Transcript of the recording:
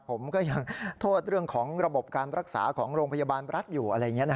ผมก็ยังโทษเรื่องของระบบการรักษาของโรงพยาบาลรักษณ์อยู่